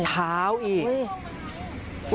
เท้าอีก